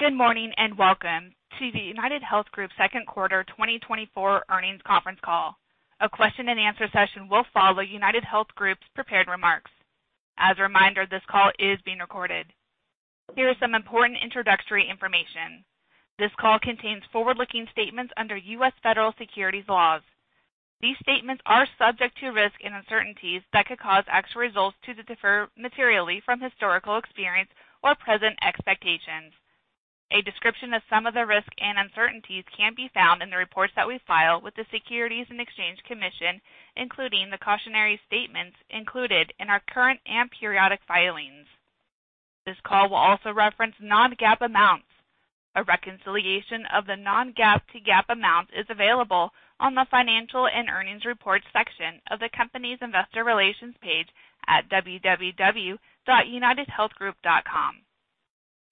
Good morning, and welcome to the UnitedHealth Group second quarter 2024 earnings conference call. A question and answer session will follow UnitedHealth Group's prepared remarks. As a reminder, this call is being recorded. Here are some important introductory information. This call contains forward-looking statements under U.S. federal securities laws. These statements are subject to risks and uncertainties that could cause actual results to differ materially from historical experience or present expectations. A description of some of the risks and uncertainties can be found in the reports that we file with the Securities and Exchange Commission, including the cautionary statements included in our current and periodic filings. This call will also reference non-GAAP amounts. A reconciliation of the non-GAAP to GAAP amounts is available on the Financial and Earnings Reports section of the company's investor relations page at www.unitedhealthgroup.com.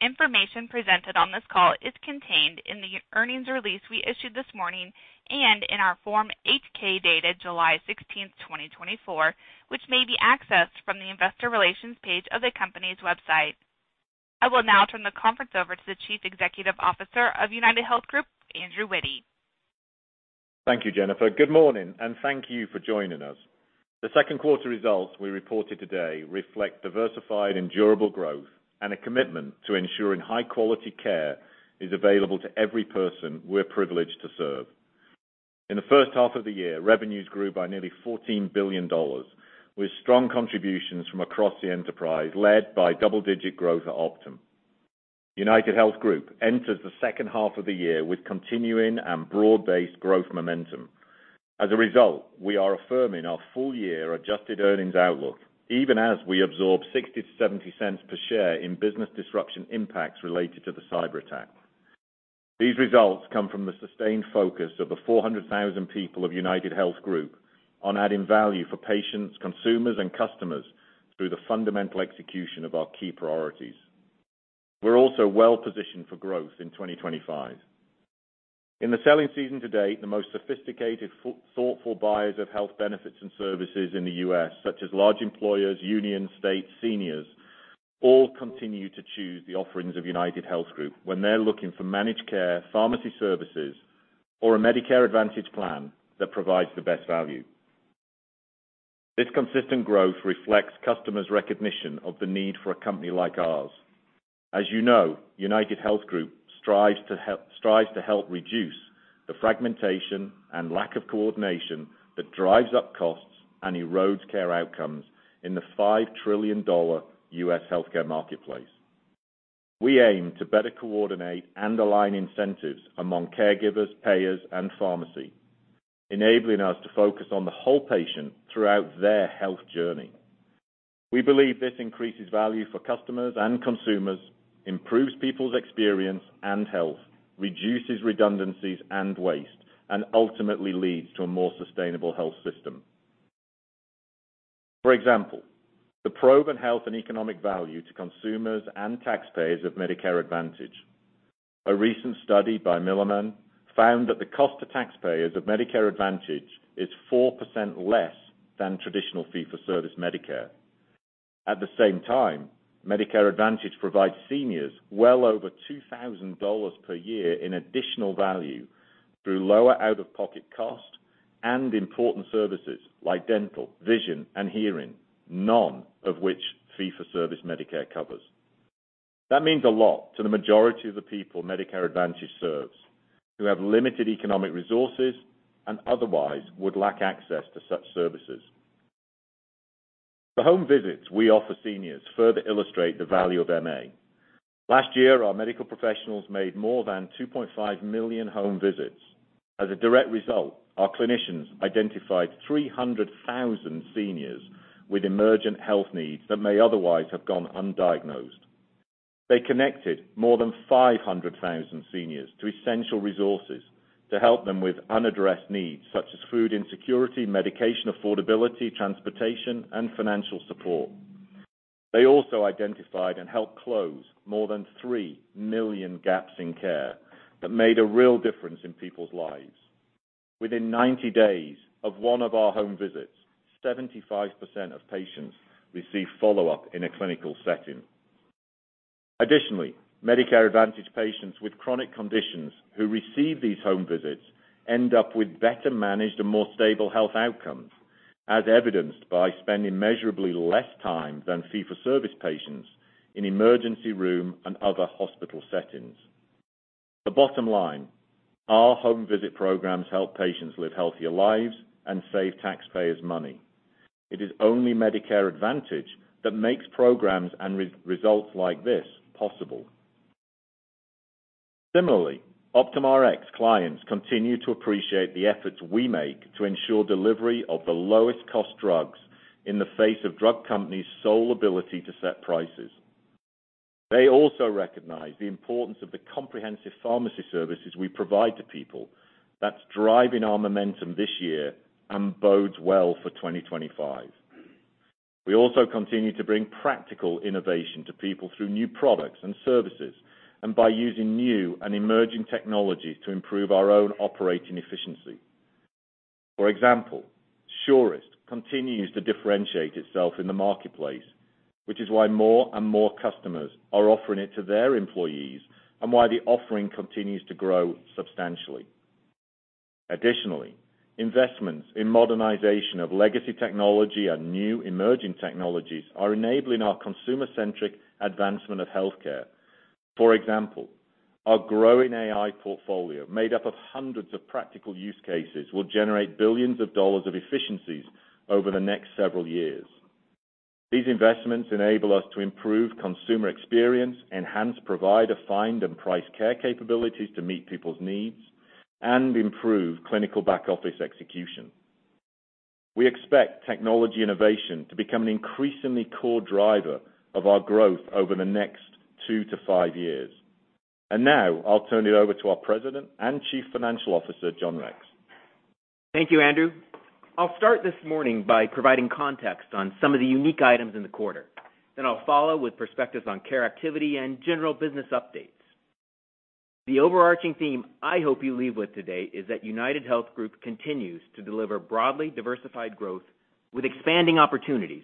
Information presented on this call is contained in the earnings release we issued this morning and in our Form 8-K, dated July 16, 2024, which may be accessed from the Investor Relations page of the company's website. I will now turn the conference over to the Chief Executive Officer of UnitedHealth Group, Andrew Witty. Thank you, Jennifer. Good morning, and thank you for joining us. The second quarter results we reported today reflect diversified and durable growth and a commitment to ensuring high-quality care is available to every person we're privileged to serve. In the first half of the year, revenues grew by nearly $14 billion, with strong contributions from across the enterprise, led by double-digit growth at Optum. UnitedHealth Group enters the second half of the year with continuing and broad-based growth momentum. As a result, we are affirming our full-year adjusted earnings outlook, even as we absorb $0.60-$0.70 per share in business disruption impacts related to the cyberattack. These results come from the sustained focus of the 400,000 people of UnitedHealth Group on adding value for patients, consumers, and customers through the fundamental execution of our key priorities. We're also well positioned for growth in 2025. In the selling season to date, the most sophisticated, thoughtful buyers of health benefits and services in the U.S., such as large employers, unions, states, seniors, all continue to choose the offerings of UnitedHealth Group when they're looking for managed care, pharmacy services, or a Medicare Advantage plan that provides the best value. This consistent growth reflects customers' recognition of the need for a company like ours. As you know, UnitedHealth Group strives to help, strives to help reduce the fragmentation and lack of coordination that drives up costs and erodes care outcomes in the $5 trillion U.S. healthcare marketplace. We aim to better coordinate and align incentives among caregivers, payers, and pharmacy, enabling us to focus on the whole patient throughout their health journey. We believe this increases value for customers and consumers, improves people's experience and health, reduces redundancies and waste, and ultimately leads to a more sustainable health system. For example, the proven health and economic value to consumers and taxpayers of Medicare Advantage. A recent study by Milliman found that the cost to taxpayers of Medicare Advantage is 4% less than traditional fee-for-service Medicare. At the same time, Medicare Advantage provides seniors well over $2,000 per year in additional value through lower out-of-pocket costs and important services like dental, vision, and hearing, none of which fee-for-service Medicare covers. That means a lot to the majority of the people Medicare Advantage serves, who have limited economic resources and otherwise would lack access to such services. The home visits we offer seniors further illustrate the value of MA. Last year, our medical professionals made more than 2.5 million home visits. As a direct result, our clinicians identified 300,000 seniors with emergent health needs that may otherwise have gone undiagnosed. They connected more than 500,000 seniors to essential resources to help them with unaddressed needs such as food insecurity, medication affordability, transportation, and financial support. They also identified and helped close more than 3 million gaps in care that made a real difference in people's lives. Within 90 days of one of our home visits, 75% of patients received follow-up in a clinical setting. Additionally, Medicare Advantage patients with chronic conditions who receive these home visits end up with better managed and more stable health outcomes, as evidenced by spending measurably less time than fee-for-service patients in emergency room and other hospital settings. The bottom line, our home visit programs help patients live healthier lives and save taxpayers money. It is only Medicare Advantage that makes programs and real results like this possible. Similarly, Optum Rx clients continue to appreciate the efforts we make to ensure delivery of the lowest-cost drugs in the face of drug companies' sole ability to set prices. They also recognize the importance of the comprehensive pharmacy services we provide to people that's driving our momentum this year and bodes well for 2025. We also continue to bring practical innovation to people through new products and services, and by using new and emerging technologies to improve our own operating efficiency. For example, Surest continues to differentiate itself in the marketplace, which is why more and more customers are offering it to their employees and why the offering continues to grow substantially. Additionally, investments in modernization of legacy technology and new emerging technologies are enabling our consumer-centric advancement of healthcare. For example, our growing AI portfolio, made up of hundreds of practical use cases, will generate billions of dollars of efficiencies over the next several years. These investments enable us to improve consumer experience, enhance provider, find and price care capabilities to meet people's needs, and improve clinical back-office execution. We expect technology innovation to become an increasingly core driver of our growth over the next two to five years. And now I'll turn it over to our President and Chief Financial Officer, John Rex. Thank you, Andrew. I'll start this morning by providing context on some of the unique items in the quarter. Then I'll follow with perspectives on care activity and general business updates. The overarching theme I hope you leave with today is that UnitedHealth Group continues to deliver broadly diversified growth with expanding opportunities,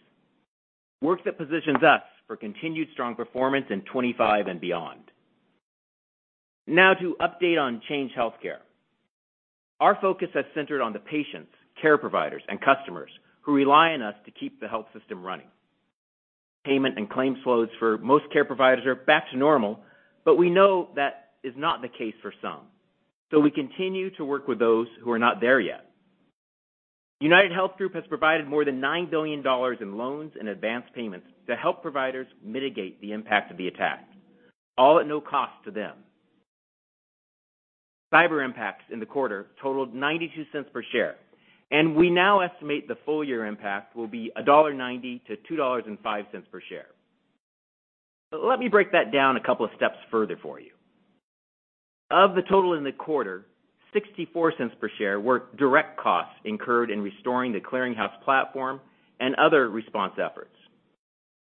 work that positions us for continued strong performance in 25 and beyond. Now to update on Change Healthcare. Our focus has centered on the patients, care providers, and customers who rely on us to keep the health system running. Payment and claims flows for most care providers are back to normal, but we know that is not the case for some, so we continue to work with those who are not there yet. UnitedHealth Group has provided more than $9 billion in loans and advanced payments to help providers mitigate the impact of the attack, all at no cost to them. Cyber impacts in the quarter totaled $0.92 per share, and we now estimate the full-year impact will be $1.90-$2.05 per share. Let me break that down a couple of steps further for you. Of the total in the quarter, $0.64 per share were direct costs incurred in restoring the clearinghouse platform and other response efforts.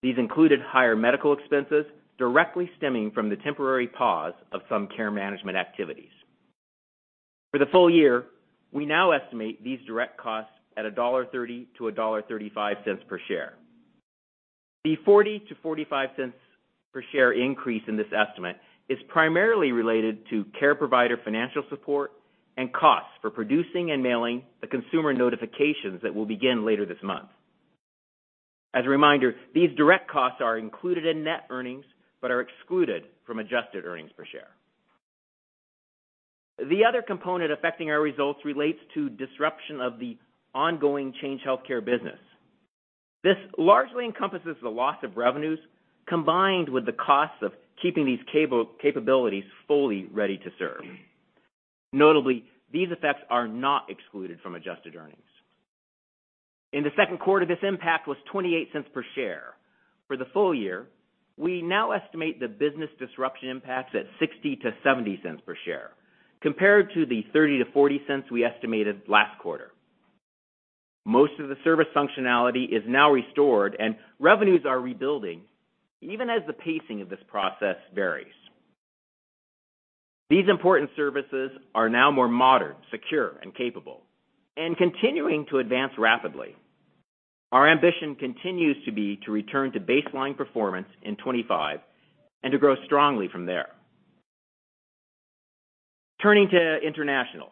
These included higher medical expenses directly stemming from the temporary pause of some care management activities. For the full year, we now estimate these direct costs at $1.30-$1.35 per share. The $0.40-$0.45 per share increase in this estimate is primarily related to care provider financial support and costs for producing and mailing the consumer notifications that will begin later this month. As a reminder, these direct costs are included in net earnings, but are excluded from Adjusted Earnings Per Share. The other component affecting our results relates to disruption of the ongoing Change Healthcare business. This largely encompasses the loss of revenues, combined with the costs of keeping these capabilities fully ready to serve. Notably, these effects are not excluded from adjusted earnings. In the second quarter, this impact was $0.28 per share. For the full year, we now estimate the business disruption impacts at $0.60-$0.70 per share, compared to the $0.30-$0.40 we estimated last quarter. Most of the service functionality is now restored and revenues are rebuilding, even as the pacing of this process varies. These important services are now more modern, secure, and capable, and continuing to advance rapidly. Our ambition continues to be to return to baseline performance in 2025 and to grow strongly from there. Turning to international.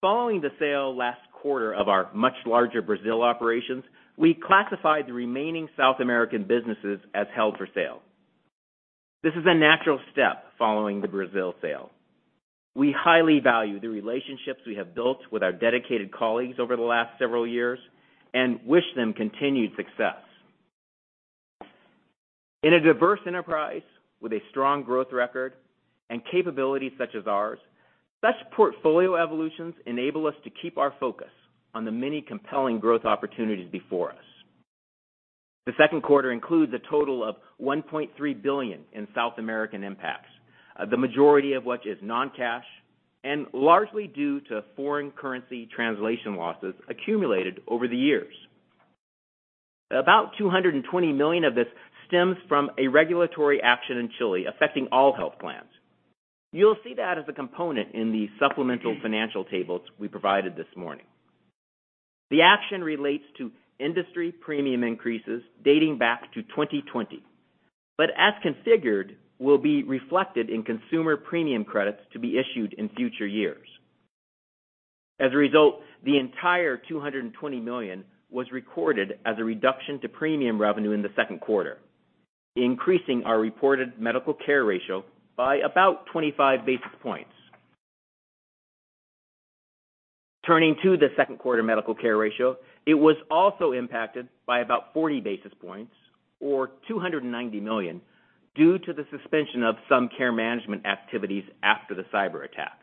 Following the sale last quarter of our much larger Brazil operations, we classified the remaining South American businesses as held for sale. This is a natural step following the Brazil sale. We highly value the relationships we have built with our dedicated colleagues over the last several years and wish them continued success. In a diverse enterprise with a strong growth record and capabilities such as ours, such portfolio evolutions enable us to keep our focus on the many compelling growth opportunities before us. The second quarter includes a total of $1.3 billion in South American impacts, the majority of which is non-cash and largely due to foreign currency translation losses accumulated over the years. About $220 million of this stems from a regulatory action in Chile affecting all health plans. You'll see that as a component in the supplemental financial tables we provided this morning. The action relates to industry premium increases dating back to 2020, but as configured, will be reflected in consumer premium credits to be issued in future years. As a result, the entire $220 million was recorded as a reduction to premium revenue in the second quarter, increasing our reported Medical Care Ratio by about 25 basis points. Turning to the second quarter medical care ratio, it was also impacted by about 40 basis points, or $290 million, due to the suspension of some care management activities after the cyber attack.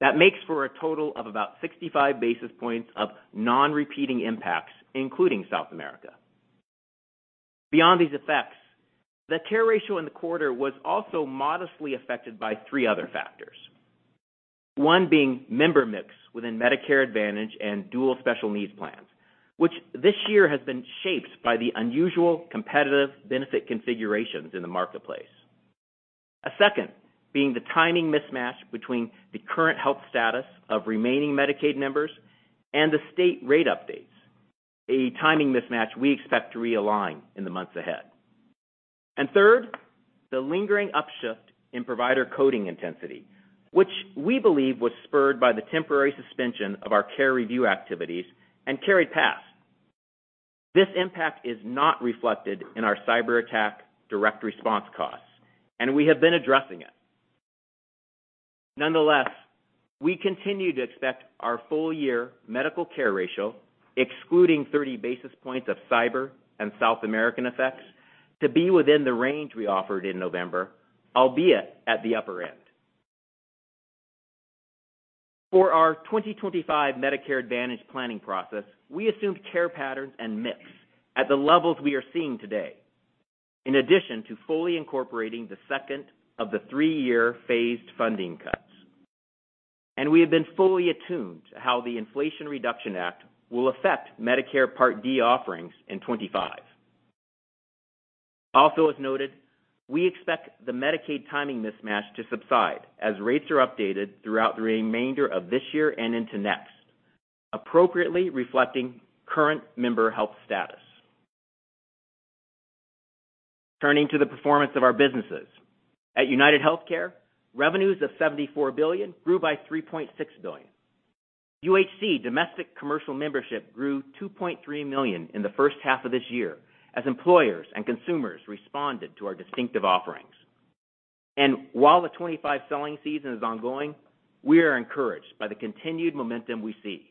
That makes for a total of about 65 basis points of non-repeating impacts, including South America. Beyond these effects, the care ratio in the quarter was also modestly affected by three other factors. One being member mix within Medicare Advantage and Dual Special Needs Plans, which this year has been shaped by the unusual competitive benefit configurations in the marketplace. A second being the timing mismatch between the current health status of remaining Medicaid members and the state rate updates. A timing mismatch we expect to realign in the months ahead. And third, the lingering upshift in provider coding intensity, which we believe was spurred by the temporary suspension of our care review activities and carried past. This impact is not reflected in our cyberattack direct response costs, and we have been addressing it. Nonetheless, we continue to expect our full year Medical Care Ratio, excluding 30 basis points of cyber and South American effects, to be within the range we offered in November, albeit at the upper end. For our 2025 Medicare Advantage planning process, we assumed care patterns and mix at the levels we are seeing today, in addition to fully incorporating the second of the three-year phased funding cuts. And we have been fully attuned to how the Inflation Reduction Act will affect Medicare Part D offerings in 2025. Also, as noted, we expect the Medicaid timing mismatch to subside as rates are updated throughout the remainder of this year and into next, appropriately reflecting current member health status. Turning to the performance of our businesses. At UnitedHealthcare, revenues of $74 billion grew by $3.6 billion. UHC domestic commercial membership grew 2.3 million in the first half of this year, as employers and consumers responded to our distinctive offerings. While the 2025 selling season is ongoing, we are encouraged by the continued momentum we see.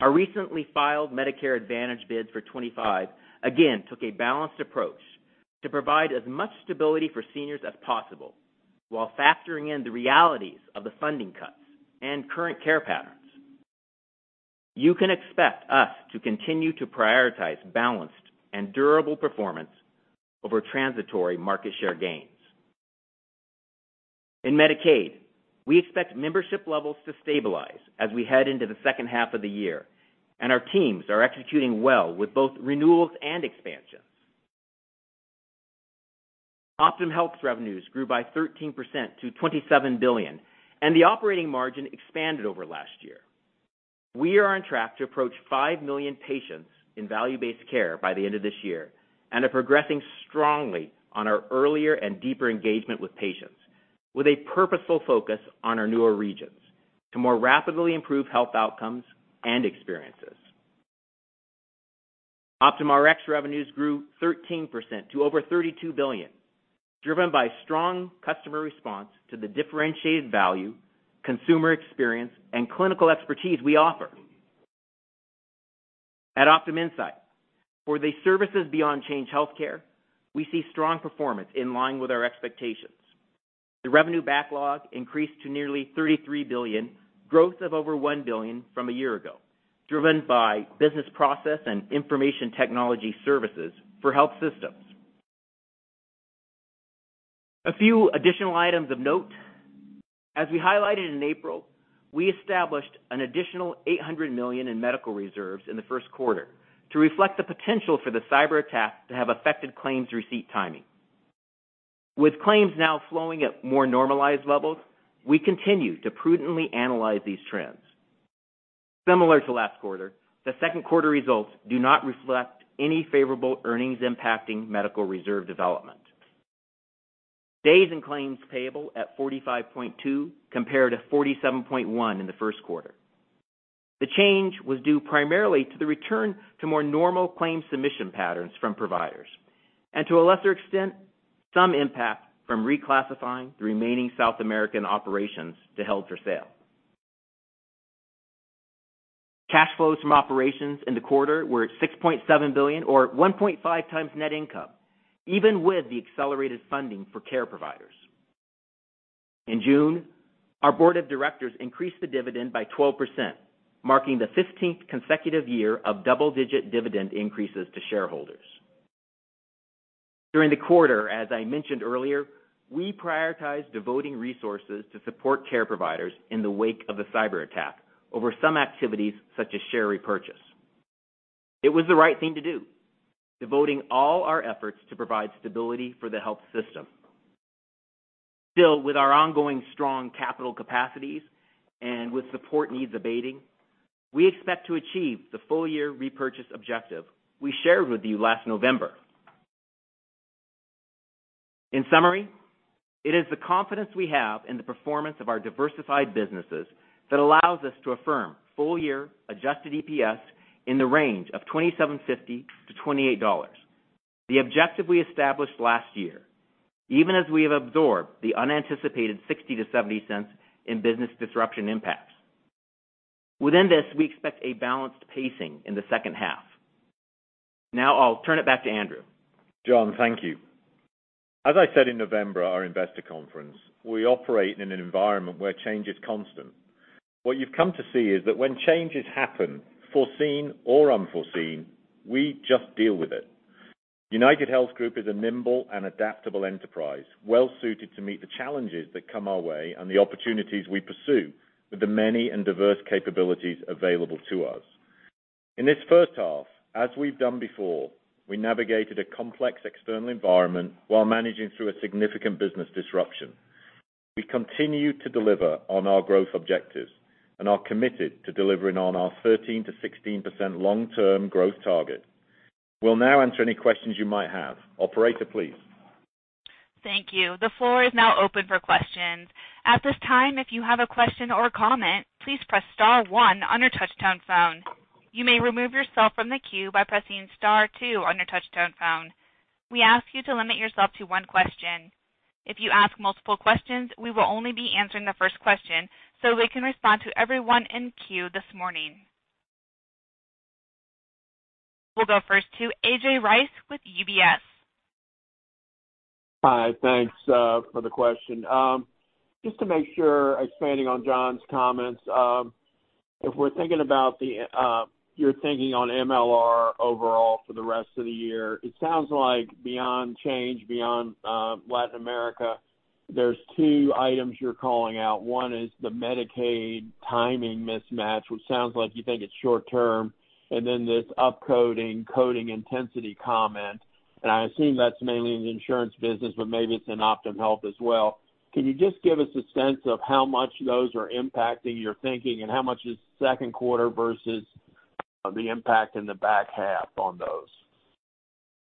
Our recently filed Medicare Advantage bids for 2025, again, took a balanced approach to provide as much stability for seniors as possible while factoring in the realities of the funding cuts and current care patterns. You can expect us to continue to prioritize balanced and durable performance over transitory market share gains. In Medicaid, we expect membership levels to stabilize as we head into the second half of the year, and our teams are executing well with both renewals and expansions. Optum Health's revenues grew by 13% to $27 billion, and the operating margin expanded over last year. We are on track to approach 5 million patients in value-based care by the end of this year, and are progressing strongly on our earlier and deeper engagement with patients, with a purposeful focus on our newer regions to more rapidly improve health outcomes and experiences. Optum Rx revenues grew 13% to over $32 billion, driven by strong customer response to the differentiated value, consumer experience, and clinical expertise we offer. At Optum Insight, for the services beyond Change Healthcare, we see strong performance in line with our expectations. The revenue backlog increased to nearly $33 billion, growth of over $1 billion from a year ago, driven by business process and information technology services for health systems. A few additional items of note. As we highlighted in April, we established an additional $800 million in medical reserves in the first quarter to reflect the potential for the cyberattack to have affected claims receipt timing. With claims now flowing at more normalized levels, we continue to prudently analyze these trends. Similar to last quarter, the second quarter results do not reflect any favorable earnings impacting medical reserve development. Days and claims payable at 45.2, compared to 47.1 in the first quarter. The change was due primarily to the return to more normal claims submission patterns from providers, and to a lesser extent, some impact from reclassifying the remaining South American operations to held for sale. Cash flows from operations in the quarter were at $6.7 billion or 1.5x net income, even with the accelerated funding for care providers. In June, our board of directors increased the dividend by 12%, marking the 15th consecutive year of double-digit dividend increases to shareholders. During the quarter, as I mentioned earlier, we prioritized devoting resources to support care providers in the wake of the cyberattack over some activities such as share repurchase. It was the right thing to do, devoting all our efforts to provide stability for the health system. Still, with our ongoing strong capital capacities and with support needs abating, we expect to achieve the full year repurchase objective we shared with you last November. In summary, it is the confidence we have in the performance of our diversified businesses that allows us to affirm full-year adjusted EPS in the range of $27.50-$28, the objective we established last year, even as we have absorbed the unanticipated $0.60-$0.70 in business disruption impacts. Within this, we expect a balanced pacing in the second half. Now I'll turn it back to Andrew. John, thank you. As I said in November at our investor conference, we operate in an environment where change is constant. What you've come to see is that when changes happen, foreseen or unforeseen, we just deal with it. UnitedHealth Group is a nimble and adaptable enterprise, well suited to meet the challenges that come our way and the opportunities we pursue with the many and diverse capabilities available to us. In this first half, as we've done before, we navigated a complex external environment while managing through a significant business disruption. We continued to deliver on our growth objectives and are committed to delivering on our 13%-16% long-term growth target. We'll now answer any questions you might have. Operator, please. Thank you. The floor is now open for questions. At this time, if you have a question or comment, please press star one on your touchtone phone. You may remove yourself from the queue by pressing star two on your touchtone phone. We ask you to limit yourself to one question. If you ask multiple questions, we will only be answering the first question, so we can respond to everyone in queue this morning. We'll go first to A.J. Rice with UBS. Hi, thanks for the question. Just to make sure, expanding on John's comments, if we're thinking about the your thinking on MLR overall for the rest of the year, it sounds like beyond change, beyond Latin America, there's two items you're calling out. One is the Medicaid timing mismatch, which sounds like you think it's short term, and then this up coding, coding intensity comment, and I assume that's mainly in the insurance business, but maybe it's in Optum Health as well. Can you just give us a sense of how much those are impacting your thinking, and how much is second quarter versus the impact in the back half on those?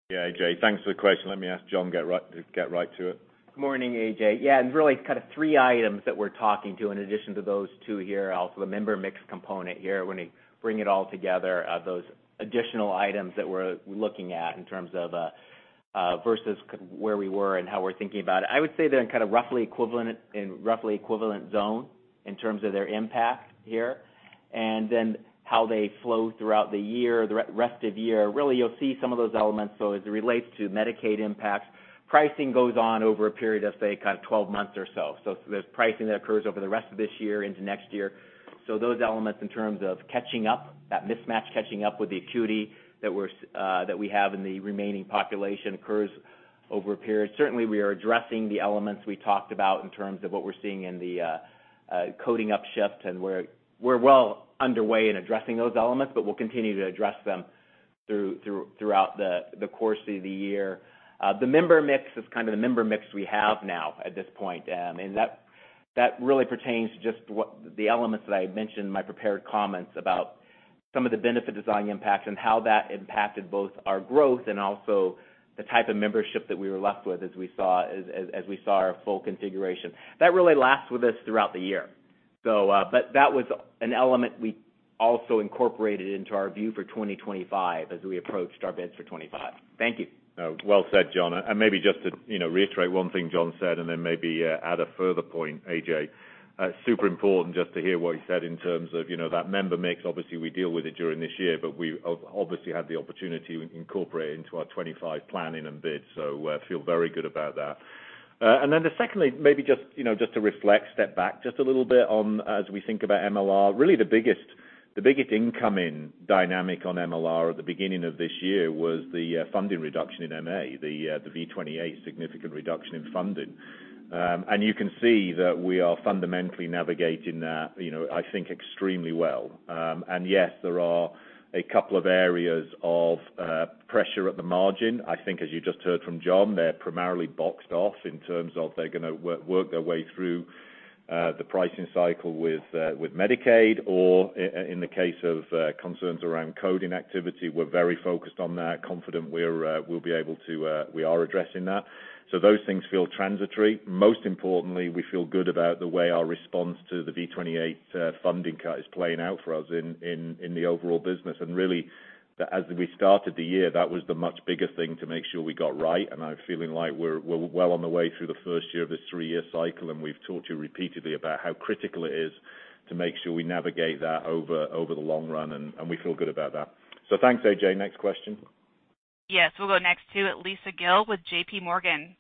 Yeah, A.J., thanks for the question. Let me ask John to get right to it. Good morning, A.J. Yeah, and really kind of three items that we're talking to in addition to those two here, also the member mix component here. When you bring it all together, those additional items that we're looking at in terms of versus where we were and how we're thinking about it. I would say they're kind of roughly equivalent, in roughly equivalent zone in terms of their impact here, and then how they flow throughout the year, the rest of year. Really, you'll see some of those elements, though, as it relates to Medicaid impacts. Pricing goes on over a period of, say, kind of 12 months or so. So there's pricing that occurs over the rest of this year into next year. So those elements in terms of catching up, that mismatch, catching up with the acuity that we have in the remaining population occurs over a period. Certainly, we are addressing the elements we talked about in terms of what we're seeing in the coding up shift, and we're well underway in addressing those elements, but we'll continue to address them throughout the course of the year. The member mix is kind of the member mix we have now at this point. And that really pertains to just what the elements that I had mentioned in my prepared comments about some of the benefit design impacts and how that impacted both our growth and also the type of membership that we were left with as we saw our full configuration. That really lasts with us throughout the year. So, but that was an element we also incorporated into our view for 2025 as we approached our bids for 25. Thank you. Oh, well said, John, and maybe just to, you know, reiterate one thing John said, and then maybe, add a further point, A.J. Super important just to hear what he said in terms of, you know, that member mix. Obviously, we deal with it during this year, but we obviously had the opportunity to incorporate it into our 25 planning and bids, so, feel very good about that. And then the secondly, maybe just, you know, just to reflect, step back just a little bit on as we think about MLR. Really, the biggest, the biggest incoming dynamic on MLR at the beginning of this year was the, funding reduction in MA, the, the V28, significant reduction in funding. And you can see that we are fundamentally navigating that, you know, I think extremely well. And yes, there are a couple of areas of pressure at the margin. I think, as you just heard from John, they're primarily boxed off in terms of they're gonna work their way through the pricing cycle with Medicaid, or in the case of concerns around coding activity, we're very focused on that, confident we will be able to, we are addressing that. So those things feel transitory. Most importantly, we feel good about the way our response to the V28 funding cut is playing out for us in the overall business. And really, as we started the year, that was the much bigger thing to make sure we got right. I'm feeling like we're, we're well on the way through the first year of this three-year cycle, and we've talked to you repeatedly about how critical it is to make sure we navigate that over, over the long run, and, and we feel good about that. So thanks, A.J. Next question. Yes, we'll go next to Lisa Gill with JPMorgan.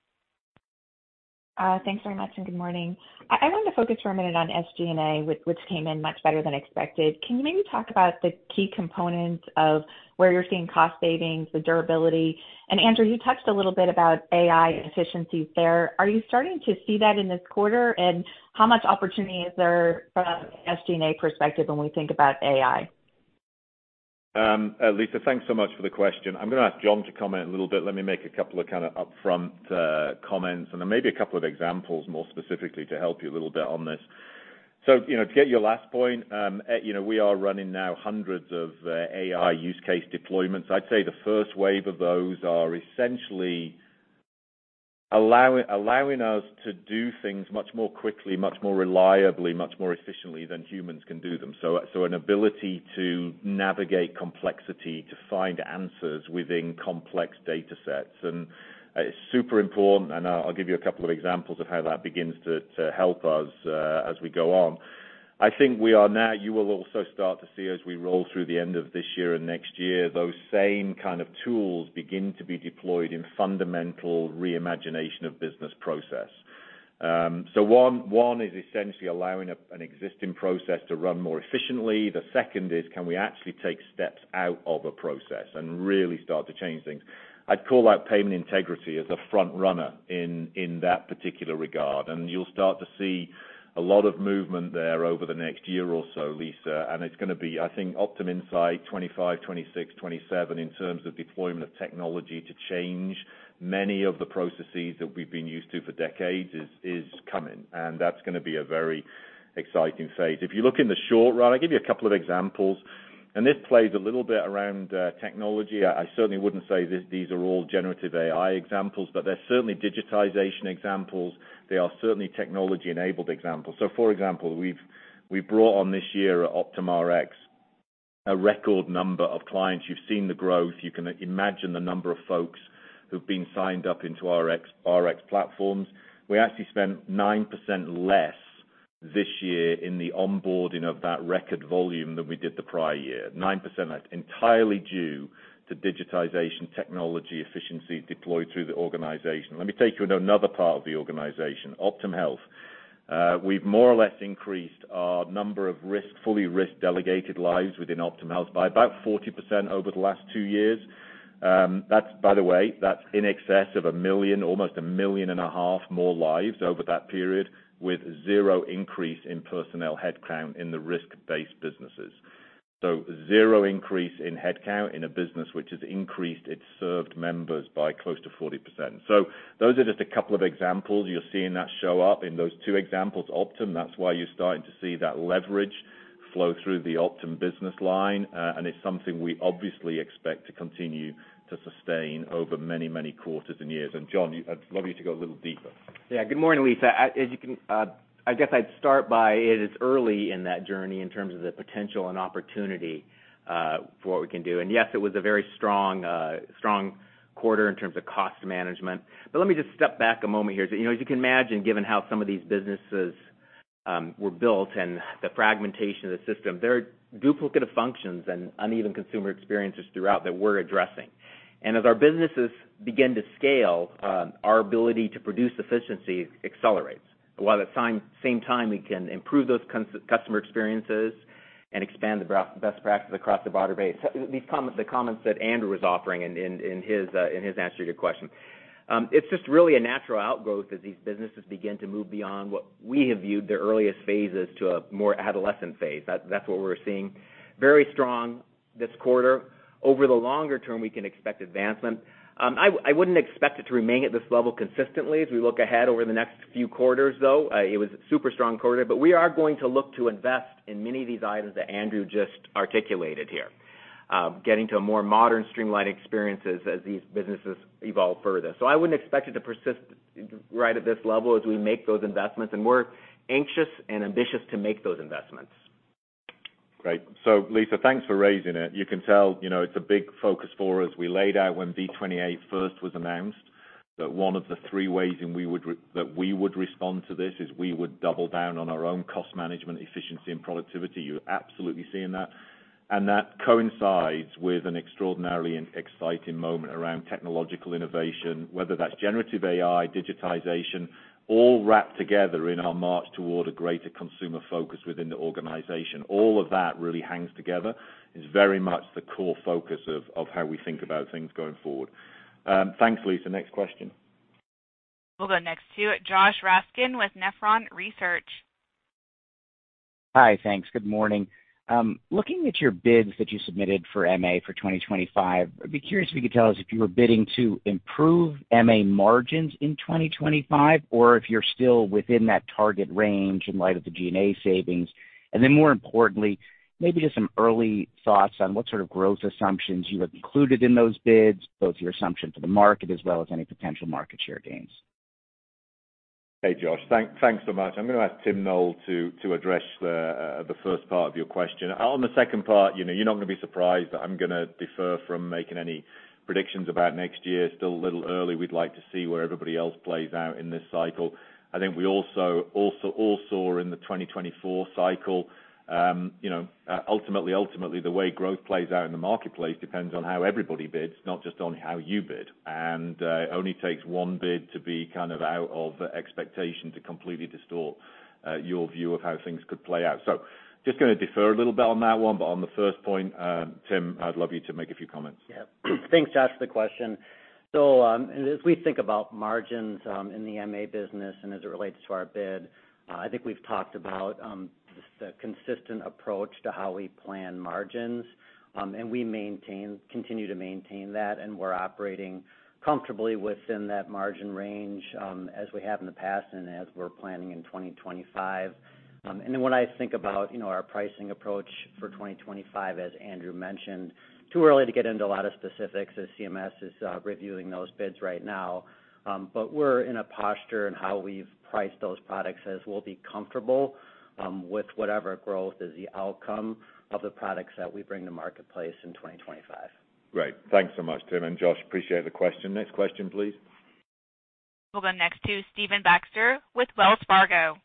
Thanks very much, and good morning. I wanted to focus for a minute on SG&A, which came in much better than expected. Can you maybe talk about the key components of where you're seeing cost savings, the durability? And Andrew, you touched a little bit about AI and efficiencies there. Are you starting to see that in this quarter? And how much opportunity is there from an SG&A perspective when we think about AI? Lisa, thanks so much for the question. I'm gonna ask John to comment a little bit. Let me make a couple of kind of upfront comments, and then maybe a couple of examples, more specifically to help you a little bit on this. So, you know, to get your last point, you know, we are running now hundreds of AI use case deployments. I'd say the first wave of those are essentially allowing us to do things much more quickly, much more reliably, much more efficiently than humans can do them. So, an ability to navigate complexity, to find answers within complex data sets, and it's super important, and I'll give you a couple of examples of how that begins to help us as we go on. I think we are now... You will also start to see, as we roll through the end of this year and next year, those same kind of tools begin to be deployed in fundamental reimagination of business process. So one is essentially allowing an existing process to run more efficiently. The second is, can we actually take steps out of a process and really start to change things? I'd call out payment integrity as a front runner in that particular regard, and you'll start to see a lot of movement there over the next year or so, Lisa, and it's gonna be, I think, Optum Insight 2025, 2026, 2027, in terms of deployment of technology to change many of the processes that we've been used to for decades, is coming, and that's gonna be a very exciting phase. If you look in the short run, I'll give you a couple of examples, and this plays a little bit around technology. I certainly wouldn't say this—these are all generative AI examples, but they're certainly digitization examples. They are certainly technology-enabled examples. So for example, we've brought on this year at Optum Rx a record number of clients. You've seen the growth. You can imagine the number of folks who've been signed up into Rx platforms. We actually spent 9% less this year in the onboarding of that record volume than we did the prior year. 9%, entirely due to digitization technology efficiency deployed through the organization. Let me take you to another part of the organization, Optum Health. We've more or less increased our number of risk, fully risk delegated lives within Optum Health by about 40% over the last 2 years. That's by the way, that's in excess of 1 million, almost 1.5 million more lives over that period, with zero increase in personnel headcount in the risk-based businesses. So zero increase in headcount in a business which has increased its served members by close to 40%. So those are just a couple of examples. You're seeing that show up in those two examples, Optum, that's why you're starting to see that leverage flow through the Optum business line, and it's something we obviously expect to continue to sustain over many, many quarters and years. And John, you-- I'd love you to go a little deeper. Yeah. Good morning, Lisa. As you can, I guess I'd start by, it is early in that journey in terms of the potential and opportunity for what we can do. And yes, it was a very strong quarter in terms of cost management. But let me just step back a moment here. You know, as you can imagine, given how some of these businesses were built and the fragmentation of the system, there are duplicate of functions and uneven consumer experiences throughout that we're addressing. And as our businesses begin to scale, our ability to produce efficiency accelerates. While at time, same time, we can improve those customer experiences and expand the best practices across the broader base. So these comments, the comments that Andrew was offering in his answer to your question. It's just really a natural outgrowth as these businesses begin to move beyond what we have viewed their earliest phases to a more adolescent phase. That's what we're seeing. Very strong this quarter. Over the longer term, we can expect advancement. I wouldn't expect it to remain at this level consistently as we look ahead over the next few quarters, though. It was a super strong quarter, but we are going to look to invest in many of these items that Andrew just articulated here. Getting to a more modern, streamlined experiences as these businesses evolve further. So I wouldn't expect it to persist right at this level as we make those investments, and we're anxious and ambitious to make those investments. Great. So Lisa, thanks for raising it. You can tell, you know, it's a big focus for us. We laid out when V28 first was announced, that one of the three ways that we would respond to this is we would double down on our own cost management, efficiency, and productivity. You're absolutely seeing that, and that coincides with an extraordinarily exciting moment around technological innovation, whether that's generative AI, digitization, all wrapped together in our march toward a greater consumer focus within the organization. All of that really hangs together. It's very much the core focus of how we think about things going forward. Thanks, Lisa. Next question. We'll go next to Josh Raskin with Nephron Research. Hi, thanks. Good morning. Looking at your bids that you submitted for MA for 2025, I'd be curious if you could tell us if you were bidding to improve MA margins in 2025, or if you're still within that target range in light of the G&A savings. And then more importantly, maybe just some early thoughts on what sort of growth assumptions you included in those bids, both your assumption for the market as well as any potential market share gains. Hey, Josh. Thanks so much. I'm gonna ask Tim Noel to address the first part of your question. On the second part, you know, you're not gonna be surprised that I'm gonna defer from making any predictions about next year. Still a little early. We'd like to see where everybody else plays out in this cycle. I think we also all saw in the 2024 cycle, you know, ultimately, the way growth plays out in the marketplace depends on how everybody bids, not just on how you bid. And it only takes one bid to be kind of out of expectation to completely distort your view of how things could play out. So just gonna defer a little bit on that one, but on the first point, Tim, I'd love you to make a few comments. Yeah. Thanks, Josh, for the question. So, as we think about margins, in the MA business and as it relates to our bid, I think we've talked about the consistent approach to how we plan margins, and we maintain, continue to maintain that, and we're operating comfortably within that margin range, as we have in the past and as we're planning in 2025. And then when I think about, you know, our pricing approach for 2025, as Andrew mentioned, too early to get into a lot of specifics as CMS is reviewing those bids right now. But we're in a posture in how we've priced those products as we'll be comfortable with whatever growth is the outcome of the products that we bring to marketplace in 2025. Great. Thanks so much, Tim and Josh. Appreciate the question. Next question, please. We'll go next to Stephen Baxter with Wells Fargo.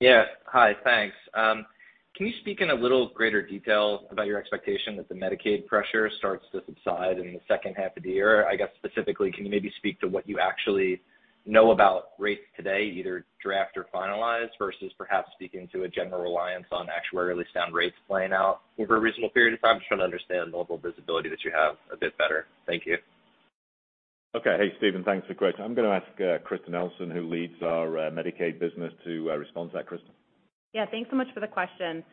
Yes. Hi, thanks. Can you speak in a little greater detail about your expectation that the Medicaid pressure starts to subside in the second half of the year? I guess, specifically, can you maybe speak to what you actually know about rates today, either draft or finalized, versus perhaps speaking to a general reliance on actuarially sound rates playing out over a reasonable period of time? Just trying to understand the level of visibility that you have a bit better. Thank you. Okay. Hey, Stephen, thanks for the question. I'm gonna ask, Krista Nelson, who leads our, Medicaid business, to, respond to that. Krista? Yeah, thanks so much for the question.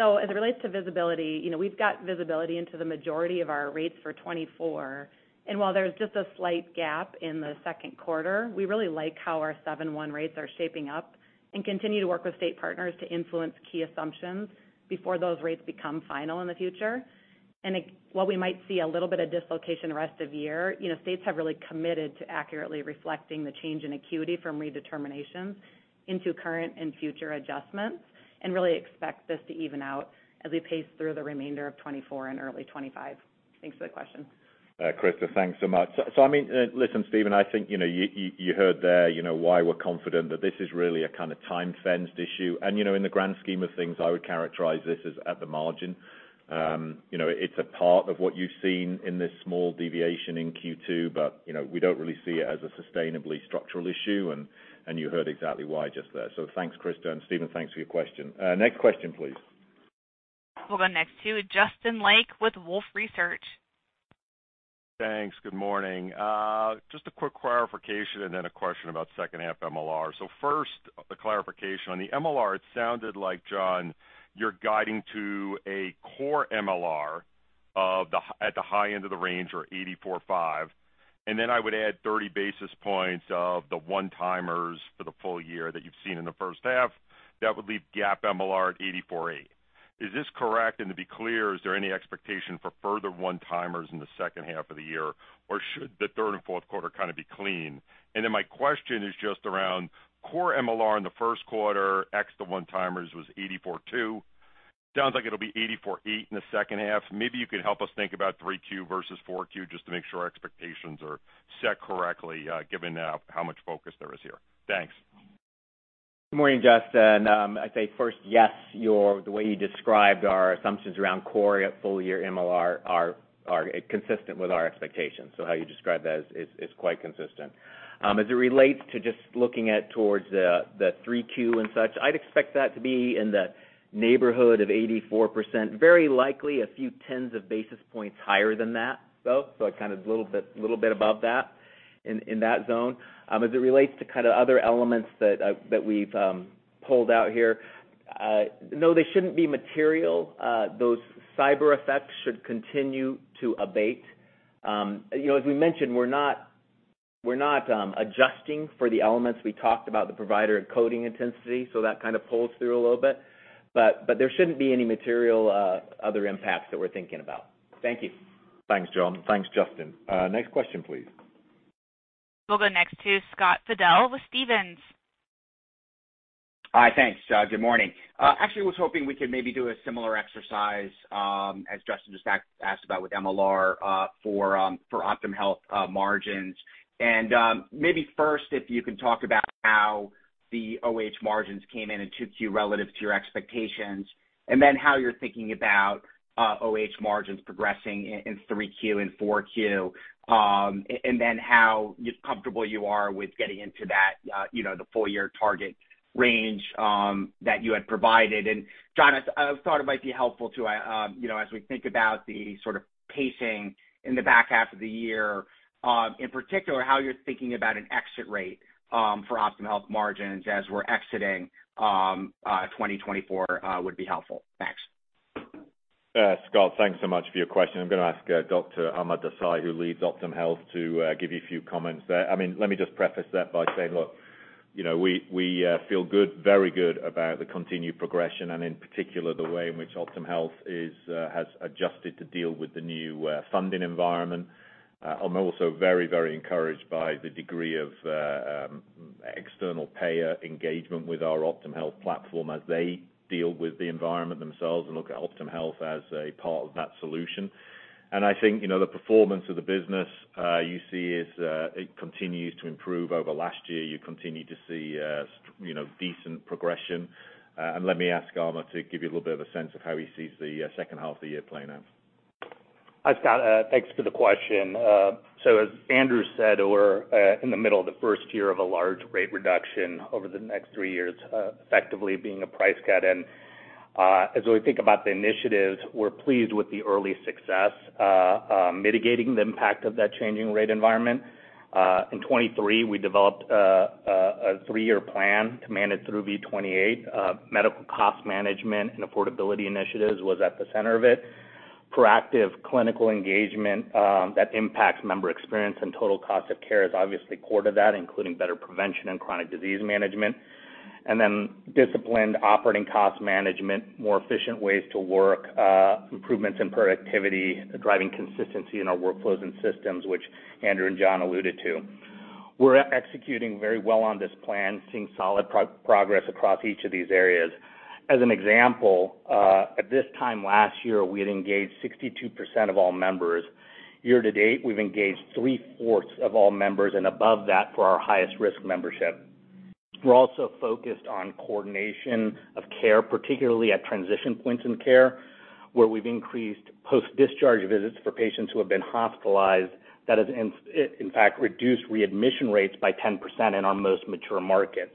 So as it relates to visibility, you know, we've got visibility into the majority of our rates for 2024, and while there's just a slight gap in the second quarter, we really like how our 7/1 rates are shaping up and continue to work with state partners to influence key assumptions before those rates become final in the future. And while we might see a little bit of dislocation in the rest of the year, you know, states have really committed to accurately reflecting the change in acuity from redeterminations into current and future adjustments, and really expect this to even out as we pace through the remainder of 2024 and early 2025. Thanks for the question. Krista, thanks so much. So, I mean, listen, Stephen, I think, you know, you heard there, you know, why we're confident that this is really a kind of time-fenced issue. You know, in the grand scheme of things, I would characterize this as at the margin. You know, it's a part of what you've seen in this small deviation in Q2, but, you know, we don't really see it as a sustainably structural issue, and you heard exactly why just there. So thanks, Krista, and Steven, thanks for your question. Next question, please. We'll go next to Justin Lake with Wolfe Research. Thanks. Good morning. Just a quick clarification and then a question about second half MLR. So first, the clarification. On the MLR, it sounded like, John, you're guiding to a core MLR of the high end of the range or 84.5, and then I would add 30 basis points of the one-timers for the full year that you've seen in the first half. That would leave GAAP MLR at 84.8. Is this correct? And to be clear, is there any expectation for further one-timers in the second half of the year, or should the third and fourth quarter kind of be clean? And then my question is just around core MLR in the first quarter, ex one-timers was 84.2. Sounds like it'll be 84.8 in the second half. Maybe you could help us think about 3Q versus 4Q, just to make sure our expectations are set correctly, given how much focus there is here. Thanks. Good morning, Justin. I'd say first, yes, your the way you described our assumptions around core at full year MLR are consistent with our expectations. So how you described that is quite consistent. As it relates to just looking towards the 3Q and such, I'd expect that to be in the neighborhood of 84%, very likely a few tens of basis points higher than that, though, so kind of a little bit, little bit above that, in that zone. As it relates to kind of other elements that that we've pulled out here, no, they shouldn't be material. Those cyber effects should continue to abate. You know, as we mentioned, we're not adjusting for the elements we talked about, the provider and coding intensity, so that kind of pulls through a little bit. But there shouldn't be any material other impacts that we're thinking about. Thank you. Thanks, John. Thanks, Justin. Next question, please. We'll go next to Scott Fidel with Stephens. Hi, thanks. Good morning. Actually, I was hoping we could maybe do a similar exercise as Justin just asked about with MLR for Optum Health margins. And maybe first, if you can talk about how the OH margins came in in 2Q relative to your expectations, and then how you're thinking about OH margins progressing in 3Q and 4Q, and then how comfortable you are with getting into that you know the full-year target range that you had provided. John, I thought it might be helpful to, you know, as we think about the sort of pacing in the back half of the year, in particular, how you're thinking about an exit rate for Optum Health margins as we're exiting 2024, would be helpful. Thanks. Scott, thanks so much for your question. I'm gonna ask Dr. Amar Desai, who leads Optum Health, to give you a few comments there. I mean, let me just preface that by saying, look, you know, we feel good, very good about the continued progression, and in particular, the way in which Optum Health is has adjusted to deal with the new funding environment. I'm also very, very encouraged by the degree of external payer engagement with our Optum Health platform as they deal with the environment themselves and look at Optum Health as a part of that solution. And I think, you know, the performance of the business you see is it continues to improve over last year. You continue to see you know, decent progression. Let me ask Amar to give you a little bit of a sense of how he sees the second half of the year playing out. Hi, Scott, thanks for the question. So as Andrew said, we're in the middle of the first year of a large rate reduction over the next three years, effectively being a price cut. As we think about the initiatives, we're pleased with the early success mitigating the impact of that changing rate environment. In 2023, we developed a three-year plan to manage through V28. Medical cost management and affordability initiatives was at the center of it. Proactive clinical engagement that impacts member experience and total cost of care is obviously core to that, including better prevention and chronic disease management. Then disciplined operating cost management, more efficient ways to work, improvements in productivity, driving consistency in our workflows and systems, which Andrew and John alluded to. We're executing very well on this plan, seeing solid progress across each of these areas. As an example, at this time last year, we had engaged 62% of all members. Year to date, we've engaged three-fourths of all members, and above that, for our highest risk membership. We're also focused on coordination of care, particularly at transition points in care, where we've increased post-discharge visits for patients who have been hospitalized. That has, in fact, reduced readmission rates by 10% in our most mature markets.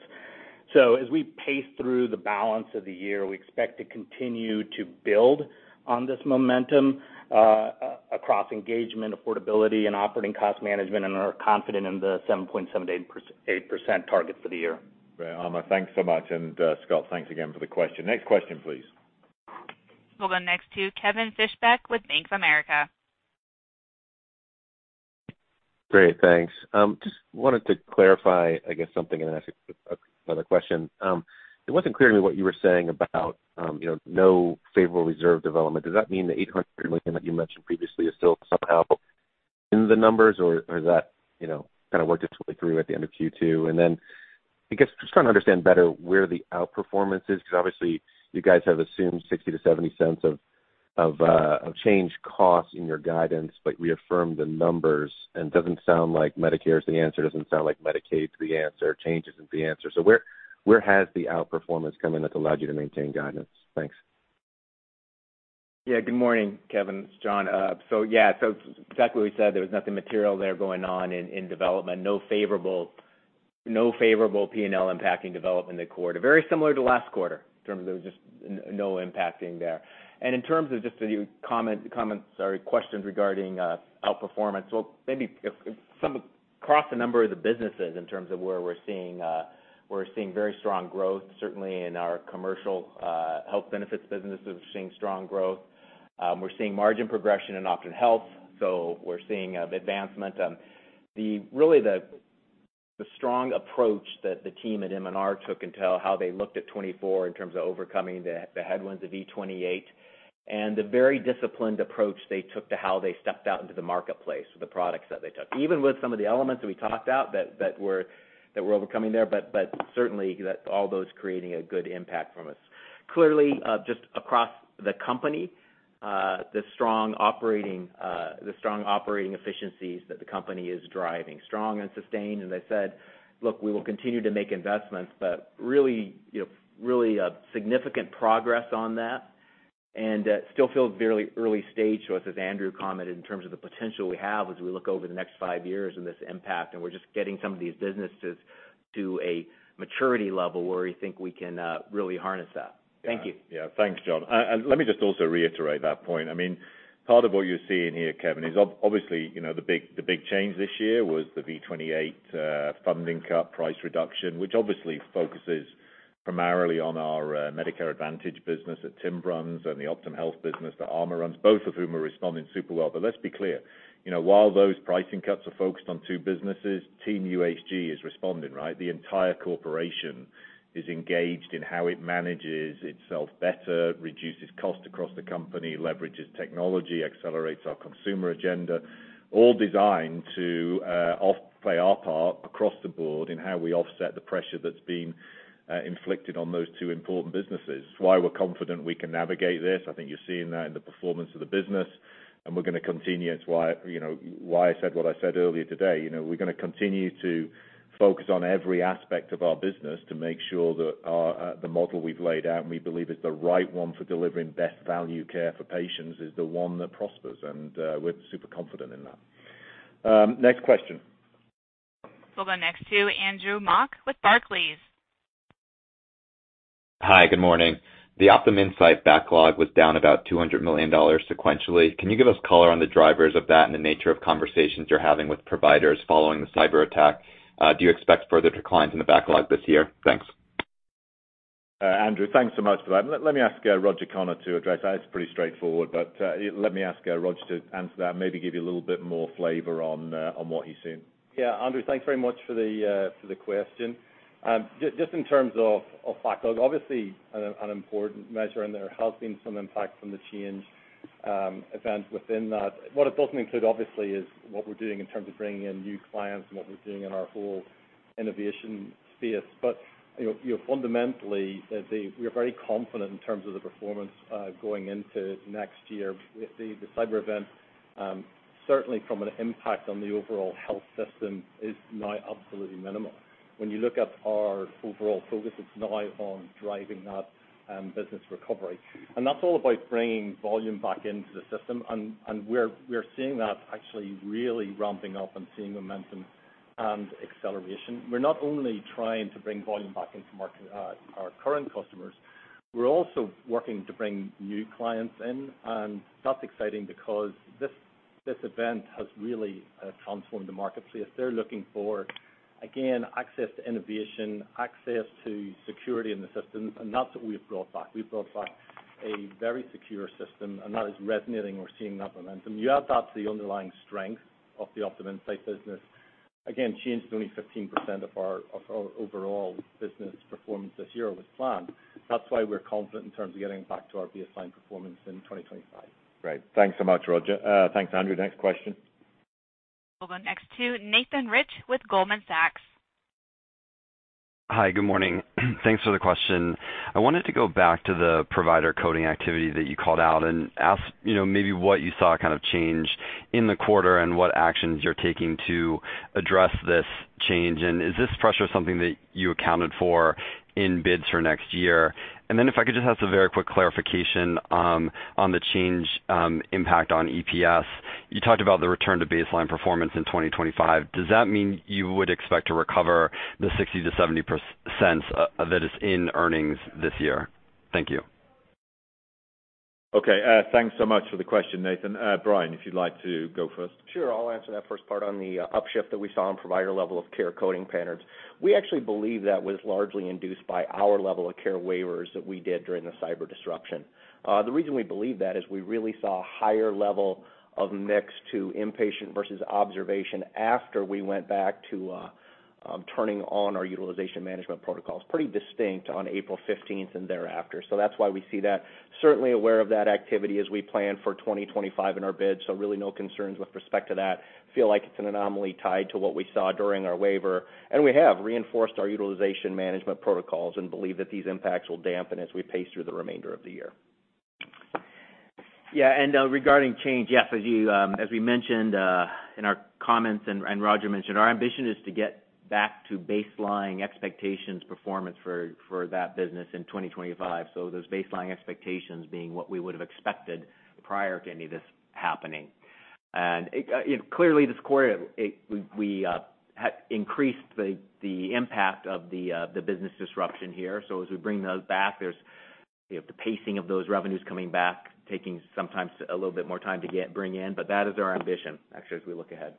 So as we pace through the balance of the year, we expect to continue to build on this momentum, across engagement, affordability, and operating cost management, and are confident in the 7.7%-8% target for the year. Great, Amar, thanks so much. And, Scott, thanks again for the question. Next question, please. We'll go next to Kevin Fischbeck with Bank of America. Great, thanks. Just wanted to clarify, I guess, something and ask another question. It wasn't clear to me what you were saying about, you know, no favorable reserve development. Does that mean the $800 million that you mentioned previously is still somehow in the numbers, or is that, you know, kind of worked its way through at the end of Q2? And then I guess just trying to understand better where the outperformance is, because obviously you guys have assumed $0.60-$0.70 of Change costs in your guidance, but reaffirmed the numbers and doesn't sound like Medicare is the answer, doesn't sound like Medicaid is the answer, Change isn't the answer. So where has the outperformance come in that's allowed you to maintain guidance? Thanks. Yeah, good morning, Kevin. It's John. So yeah, so exactly what we said, there was nothing material there going on in development. No favorable, no favorable P&L impacting development in the quarter. Very similar to last quarter, in terms of there was just no impacting there. And in terms of just the comment, comments or questions regarding outperformance, well, maybe if some... Across a number of the businesses in terms of where we're seeing, we're seeing very strong growth, certainly in our commercial health benefits business, we're seeing strong growth. We're seeing margin progression in Optum Health, so we're seeing advancement. The really strong approach that the team at M&R took into how they looked at 2024 in terms of overcoming the headwinds of V28, and the very disciplined approach they took to how they stepped out into the marketplace with the products that they took. Even with some of the elements that we talked about that were overcoming there, but certainly that all those creating a good impact from us. Clearly, just across the company, the strong operating, the strong operating efficiencies that the company is driving, strong and sustained, as I said, look, we will continue to make investments, but really, you know, really, significant progress on that and, still feels very early stage for us, as Andrew commented, in terms of the potential we have as we look over the next five years and this impact, and we're just getting some of these businesses to a maturity level where we think we can, really harness that. Thank you. Yeah. Thanks, John. And let me just also reiterate that point. I mean, part of what you're seeing here, Kevin, is obviously, you know, the big, the big change this year was the V28 funding cut, price reduction, which obviously focuses primarily on our Medicare Advantage business that Tim runs and the Optum Health business that Amar runs, both of whom are responding super well. But let's be clear, you know, while those pricing cuts are focused on two businesses, Team UHG is responding, right? The entire corporation is engaged in how it manages itself better, reduces cost across the company, leverages technology, accelerates our consumer agenda, all designed to offset our part across the board in how we offset the pressure that's been inflicted on those two important businesses. It's why we're confident we can navigate this. I think you're seeing that in the performance of the business, and we're gonna continue. It's why, you know, why I said what I said earlier today. You know, we're gonna continue to focus on every aspect of our business to make sure that our the model we've laid out, and we believe is the right one for delivering best value care for patients, is the one that prospers, and we're super confident in that. Next question. We'll go next to Andrew Mok with Barclays. Hi, good morning. The Optum Insight backlog was down about $200 million sequentially. Can you give us color on the drivers of that and the nature of conversations you're having with providers following the cyberattack? Do you expect further declines in the backlog this year? Thanks. Andrew, thanks so much for that. Let me ask Roger Connor to address that. It's pretty straightforward, but let me ask Roger to answer that and maybe give you a little bit more flavor on what he's seeing. Yeah, Andrew, thanks very much for the for the question. Just in terms of backlog, obviously an important measure, and there has been some impact from the change events within that. What it doesn't include, obviously, is what we're doing in terms of bringing in new clients and what we're doing in our whole innovation space. But, you know, fundamentally, we are very confident in terms of the performance going into next year. With the cyber event, certainly, from an impact on the overall health system, is now absolutely minimal. When you look at our overall focus, it's now on driving that business recovery. And that's all about bringing volume back into the system, and we're seeing that actually really ramping up and seeing momentum and acceleration. We're not only trying to bring volume back into market, our current customers, we're also working to bring new clients in. And that's exciting because this, this event has really transformed the marketplace. They're looking for, again, access to innovation, access to security in the system, and that's what we've brought back. We've brought back a very secure system, and that is resonating. We're seeing that momentum. You add that to the underlying strength of the Optum Insight business. Again, Change is only 15% of our, of our overall business performance this year with plan. That's why we're confident in terms of getting back to our baseline performance in 2025. Great. Thanks so much, Roger. Thanks, Andrew. Next question. We'll go next to Nathan Rich with Goldman Sachs. Hi, good morning. Thanks for the question. I wanted to go back to the provider coding activity that you called out and ask, you know, maybe what you saw kind of change in the quarter and what actions you're taking to address this change, and is this pressure something that you accounted for in bids for next year? And then if I could just ask a very quick clarification on the change impact on EPS. You talked about the return to baseline performance in 2025. Does that mean you would expect to recover the 60%-70% that is in earnings this year? Thank you. Okay, thanks so much for the question, Nathan. Brian, if you'd like to go first. Sure, I'll answer that first part on the upshift that we saw in provider level of care coding patterns. We actually believe that was largely induced by our level of care waivers that we did during the cyber disruption. The reason we believe that is we really saw a higher level of mix to inpatient versus observation after we went back to turning on our utilization management protocols, pretty distinct on April 15 and thereafter. So that's why we see that. Certainly aware of that activity as we plan for 2025 in our bid, so really no concerns with respect to that. Feel like it's an anomaly tied to what we saw during our waiver, and we have reinforced our utilization management protocols and believe that these impacts will dampen as we pace through the remainder of the year. Yeah, and regarding Change, yes, as you, as we mentioned in our comments and, and Roger mentioned, our ambition is to get back to baseline expectations performance for, for that business in 2025. So those baseline expectations being what we would have expected prior to any of this happening. And, it, you know, clearly, this quarter, it- we, we, increased the, the impact of the, the business disruption here. So as we bring those back, there's, you know, the pacing of those revenues coming back, taking sometimes a little bit more time to get, bring in, but that is our ambition, actually, as we look ahead.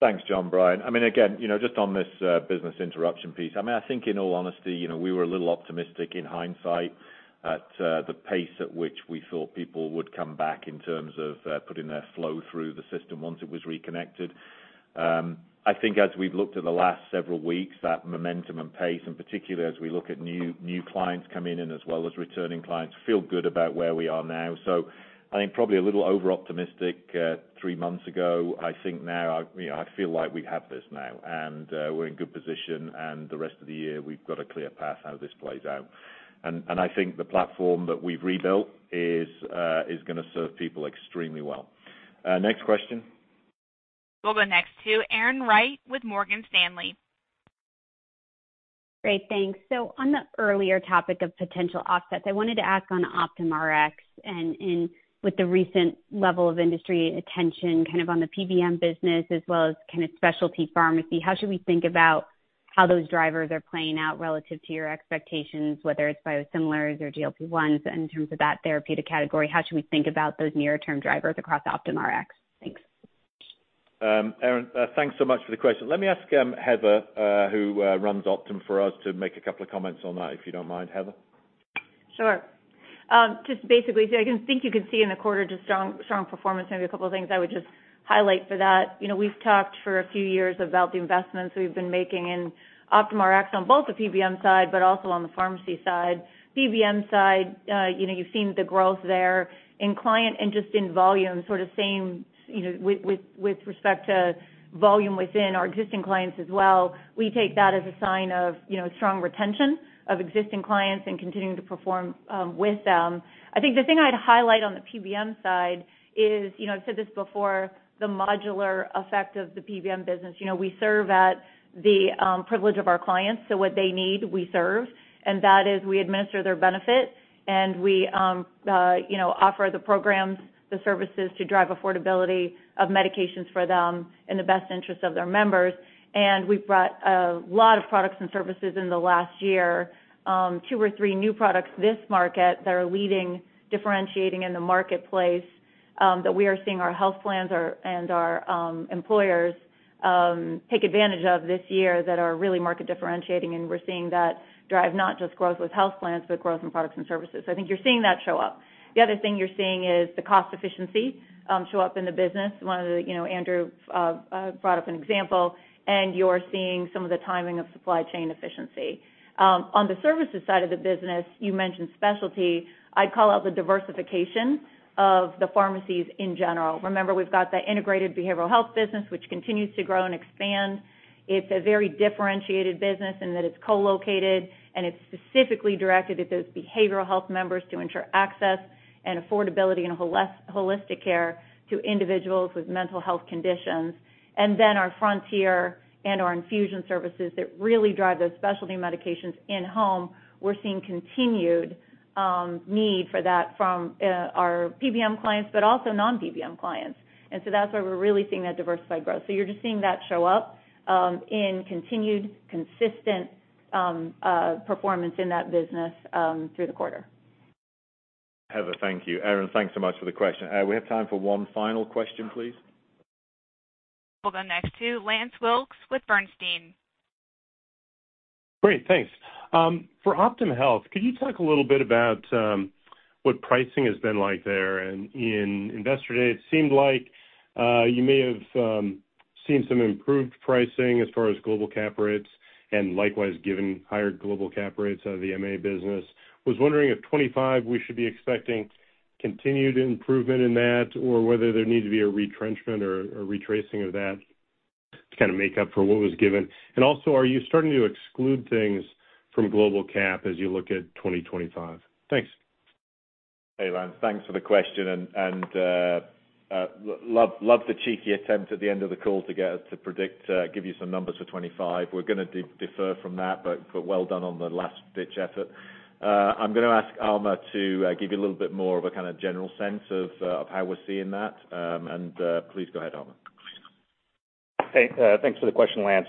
Thanks, John, Brian. I mean, again, you know, just on this, business interruption piece, I mean, I think in all honesty, you know, we were a little optimistic in hindsight at, the pace at which we thought people would come back in terms of, putting their flow through the system once it was reconnected. I think as we've looked at the last several weeks, that momentum and pace, and particularly as we look at new, new clients coming in as well as returning clients, feel good about where we are now. So I think probably a little overoptimistic, three months ago. I think now, I, you know, I feel like we have this now, and, we're in good position, and the rest of the year, we've got a clear path how this plays out. And I think the platform that we've rebuilt is gonna serve people extremely well. Next question? We'll go next to Erin Wright with Morgan Stanley. Great, thanks. So on the earlier topic of potential offsets, I wanted to ask on Optum Rx and with the recent level of industry attention, kind of on the PBM business as well as kind of specialty pharmacy, how should we think about how those drivers are playing out relative to your expectations, whether it's biosimilars or GLP-1s, in terms of that therapeutic category, how should we think about those near-term drivers across Optum Rx? Thanks. Erin, thanks so much for the question. Let me ask, Heather, who runs Optum for us to make a couple of comments on that, if you don't mind. Heather? Sure. Just basically, I think you can see in the quarter just strong, strong performance, maybe a couple of things I would just highlight for that. You know, we've talked for a few years about the investments we've been making in Optum Rx on both the PBM side, but also on the pharmacy side. PBM side, you know, you've seen the growth there. In client interest in volume, sort of same, you know, with respect to volume within our existing clients as well, we take that as a sign of, you know, strong retention of existing clients and continuing to perform, with them. I think the thing I'd highlight on the PBM side is, you know, I've said this before, the modular effect of the PBM business. You know, we serve at the privilege of our clients, so what they need, we serve, and that is we administer their benefit, and we, you know, offer the programs, the services to drive affordability of medications for them in the best interest of their members. We've brought a lot of products and services in the last year, two or three new products this market that are leading, differentiating in the marketplace, that we are seeing our health plans are, and our employers, take advantage of this year that are really market differentiating, and we're seeing that drive not just growth with health plans, but growth in products and services. So I think you're seeing that show up. The other thing you're seeing is the cost efficiency show up in the business. One of the, you know, Andrew, brought up an example, and you're seeing some of the timing of supply chain efficiency. On the services side of the business, you mentioned specialty. I'd call out the diversification of the pharmacies in general. Remember, we've got the integrated behavioral health business, which continues to grow and expand. It's a very differentiated business in that it's co-located, and it's specifically directed at those behavioral health members to ensure access and affordability and holistic care to individuals with mental health conditions. And then our Frontier and our infusion services that really drive those specialty medications in-home, we're seeing continued need for that from our PBM clients, but also non-PBM clients. And so that's where we're really seeing that diversified growth. So you're just seeing that show up in continued, consistent performance in that business through the quarter. Heather, thank you. Erin, thanks so much for the question. We have time for one final question, please. We'll go next to Lance Wilkes with Bernstein. Great, thanks. For Optum Health, could you talk a little bit about, what pricing has been like there? And in Investor Day, it seemed like, you may have seen some improved pricing as far as global cap rates, and likewise, given higher global cap rates out of the MA business. Was wondering if 25, we should be expecting continued improvement in that, or whether there need to be a retrenchment or retracing of that? To kind of make up for what was given? And also, are you starting to exclude things from global cap as you look at 2025? Thanks. Hey, Lance, thanks for the question. Love the cheeky attempt at the end of the call to get us to predict, give you some numbers for 25. We're gonna defer from that, but well done on the last-ditch effort. I'm gonna ask Amar to give you a little bit more of a kind of general sense of how we're seeing that. Please go ahead, Amar. Thanks for the question, Lance.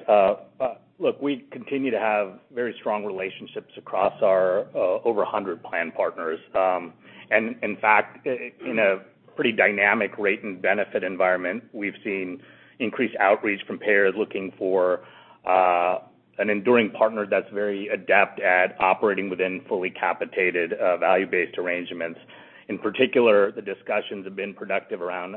Look, we continue to have very strong relationships across our over 100 plan partners. And in fact, in a pretty dynamic rate and benefit environment, we've seen increased outreach from payers looking for an enduring partner that's very adept at operating within fully capitated value-based arrangements. In particular, the discussions have been productive around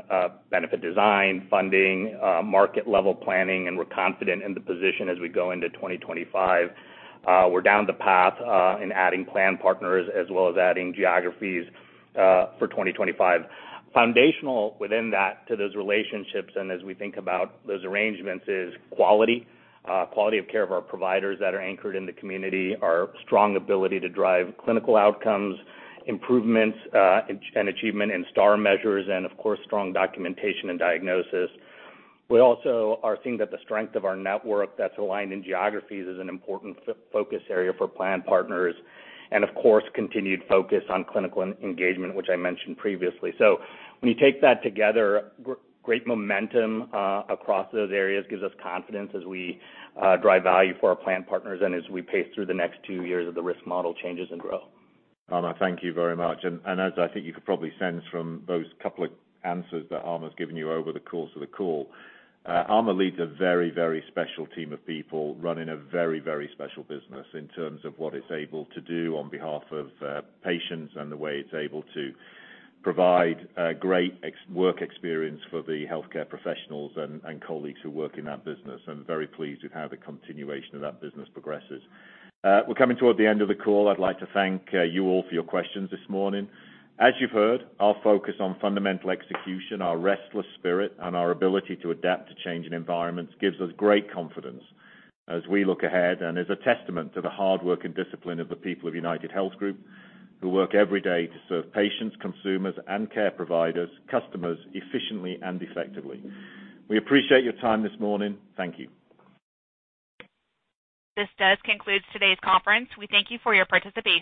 benefit design, funding, market level planning, and we're confident in the position as we go into 2025. We're down the path in adding plan partners as well as adding geographies for 2025. Foundational within that to those relationships and as we think about those arrangements, is quality. Quality of care of our providers that are anchored in the community, our strong ability to drive clinical outcomes, improvements, and, and achievement in Star Measures, and of course, strong documentation and diagnosis. We also are seeing that the strength of our network that's aligned in geographies is an important focus area for plan partners, and of course, continued focus on clinical engagement, which I mentioned previously. So when you take that together, great momentum across those areas gives us confidence as we drive value for our plan partners and as we pace through the next two years of the risk model changes and grow. Amar, thank you very much. As I think you can probably sense from those couple of answers that Amar's given you over the course of the call, Amar leads a very, very special team of people running a very, very special business in terms of what it's able to do on behalf of patients and the way it's able to provide great work experience for the healthcare professionals and colleagues who work in that business. I'm very pleased with how the continuation of that business progresses. We're coming toward the end of the call. I'd like to thank you all for your questions this morning. As you've heard, our focus on fundamental execution, our restless spirit, and our ability to adapt to changing environments gives us great confidence as we look ahead, and is a testament to the hard work and discipline of the people of UnitedHealth Group, who work every day to serve patients, consumers, and care providers, customers, efficiently and effectively. We appreciate your time this morning. Thank you. This does conclude today's conference. We thank you for your participation.